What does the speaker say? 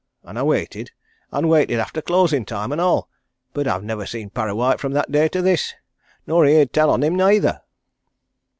An' I waited and waited after closin' time, an' all. But I've nivver seen Parrawhite from that day to this nor heerd tell on him neither!"